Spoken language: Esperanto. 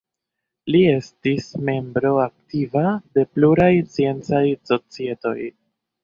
Li estis membro aktiva de pluraj sciencaj societoj.